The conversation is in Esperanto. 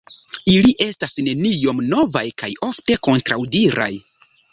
Ili estas neniom novaj kaj ofte kontraŭdiraj.